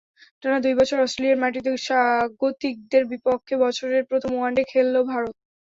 টানা দুই বছর অস্ট্রেলিয়ার মাটিতে স্বাগতিকদের বিপক্ষে বছরের প্রথম ওয়ানডে খেলল ভারত।